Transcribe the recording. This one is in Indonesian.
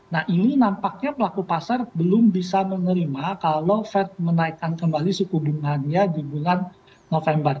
nah ini nampaknya pelaku pasar belum bisa menerima kalau fed menaikkan kembali suku bunganya di bulan november